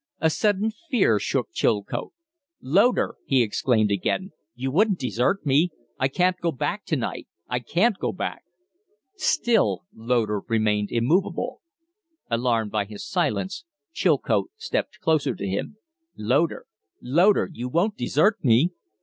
A sudden fear shook Chilcote. "Loder!" he exclaimed again, "you wouldn't desert me? I can't go back to night. I can't go back." Still Loder remained immovable. Alarmed by his silence, Chilcote stepped closer to him. "Loder! Loder, you won't desert me?"